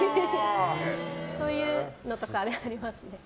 そういうのとかありますね。